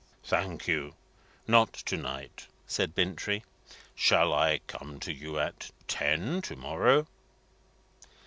"Thank you; not to night," said Bintrey. "Shall I come to you at ten to morrow?"